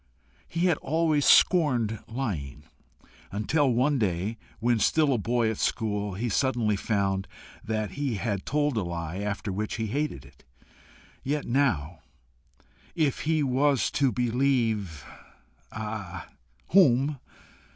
He had always scorned lying, until one day, when still a boy at school, he suddenly found that he had told a lie, after which he hated it yet now, if he was to believe ah! whom?